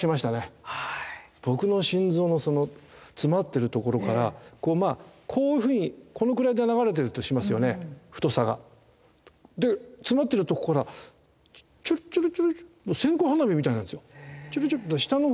僕の心臓のその詰まってる所からこうまあこういうふうにこのくらいで流れてるとしますよね太さが。で詰まってるとこからちょろちょろちょろ線香花火みたいなんですよちょろちょろ。